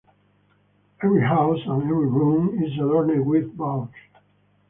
Every house and every room is adorned with boughs.